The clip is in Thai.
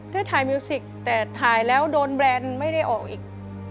ได้ถ่ายมิวสิกแต่ถ่ายแล้วโดนแบรนด์ไม่ได้ออกอีก